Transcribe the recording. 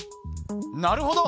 なるほど！